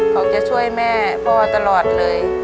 เขาจะช่วยแม่พ่อตลอดเลย